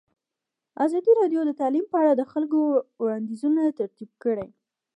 ازادي راډیو د تعلیم په اړه د خلکو وړاندیزونه ترتیب کړي.